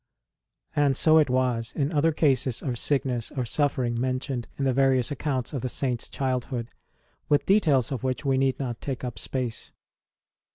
And so it was in other cases of sickness or suffering mentioned in the various accounts of the Saint s childhood, with details of which we need not take up space.